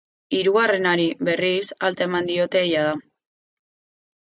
Hirugarrenari, berriz, alta eman diote jada.